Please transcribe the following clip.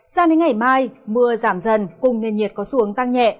sao đến ngày mai mưa giảm dần cùng nền nhiệt có xu hướng tăng nhẹ